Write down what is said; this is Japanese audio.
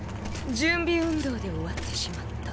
準備運動で終わってしまった。